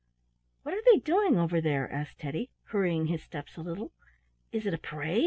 "What are they doing over there?" asked Teddy, hurrying his steps a little. "Is it a parade?"